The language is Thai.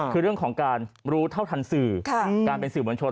คือเรื่องของการรู้เท่าทันสื่อการเป็นสื่อมวลชน